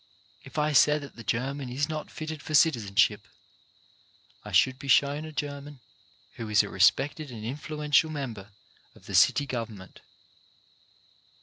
If I said that the German is not fitted for citizenship, I should be shown a German who is a respected and influen tial member of the city government.